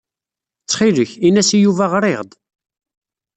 Ttxil-k, ini-as i Yuba ɣriɣ-d.